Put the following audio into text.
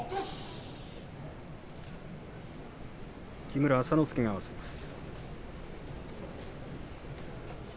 木村朝之助が合わせます。